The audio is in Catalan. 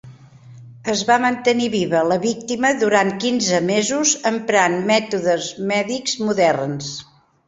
Es va mantenir viva la víctima durant quinze mesos emprant mètodes mèdics moderns.